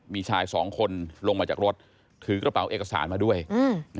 มีชายสองคนลงมาจากรถถือกระเป๋าเอกสารมาด้วยอืม